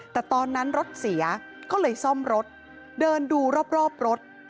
แต่ตอนนั้นรถเสียก็เลยซ่อมรถเดินดูรอบรถ